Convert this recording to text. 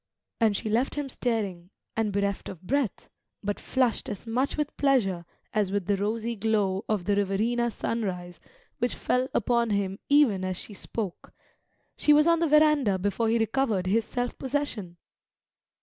And she left him staring, and bereft of breath, but flushed as much with pleasure as with the rosy glow of the Riverina sunrise which fell upon him even as she spoke; she was on the verandah before he recovered his self possession.